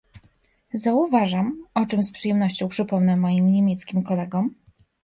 Zauważam, o czym z przyjemnością przypomnę moim niemieckim kolegom